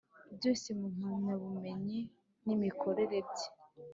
Byose mu mpamyabumenyi n imikorere bye